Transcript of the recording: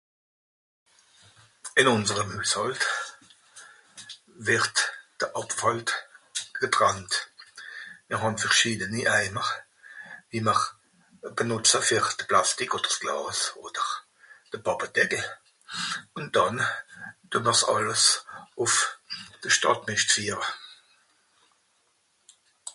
Ìn ùnserem Hüshàlt wìrd de Àbfàllt getrannt. Mìr hàn verschiedeni Eimer, wie m'r benùtze fer d'Plastik odder 's Glàs odder de Pàppedeckel. Ùn dànn, tun mr 's àls ùff de Stàdtmìscht fìhre.